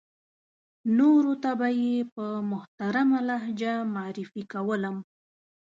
نورو ته به یې په محترمه لهجه معرفي کولم.